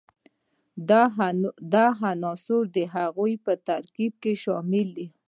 دا عنصر د هغوي په ترکیب کې شامل دي.